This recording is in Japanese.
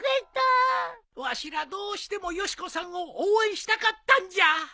わしらどうしてもよし子さんを応援したかったんじゃ。